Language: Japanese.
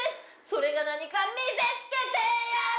・「それが何か見せつけてやる」